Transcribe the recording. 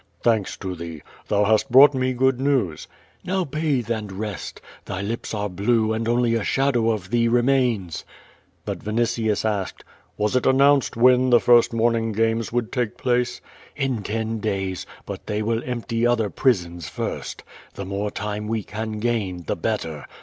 Thanks to thee. Thou hast brought me good news.*' "Xow bathe and rest. Thy lips are blue and only a shadow of thee remains." But Vinitius asked: Was it announced when the first morning games would take place?" *'In ten days, but they will empty other prisons first. The more time we can gain, the better.